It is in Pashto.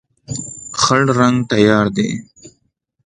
خړ رنګ تیاره دی.